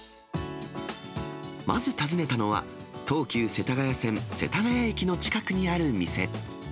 まず訪ねたのは、東急世田谷線世田谷駅の近くにある店。